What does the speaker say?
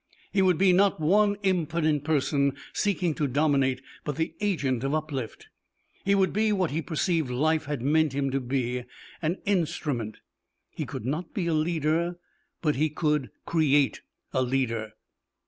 He would be not one impotent person seeking to dominate, but the agent of uplift. He would be what he perceived life had meant him to be: an instrument. He could not be a leader, but he could create a leader.